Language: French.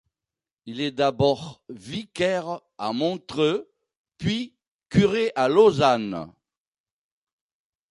Il est d’abord vicaire à Montreux puis curé à Lausanne.